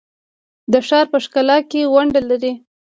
د ښار په ښکلا کې ونډه لري؟